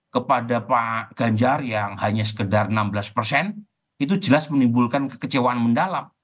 jadi pada pak gajah yang hanya sekedar enam belas itu jelas menimbulkan kekecewaan mendalam